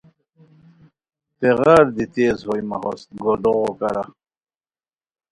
تیغار دی تیز ہوئے مہ ہوست گوردوغو کارا